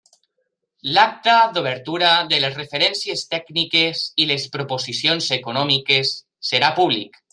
L'acta d'obertura de les referències tècniques i les proposicions econòmiques serà públic.